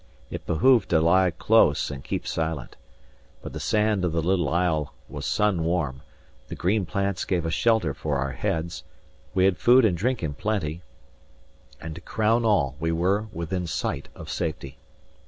It behoved to lie close and keep silent. But the sand of the little isle was sun warm, the green plants gave us shelter for our heads, we had food and drink in plenty; and to crown all, we were within sight of safety.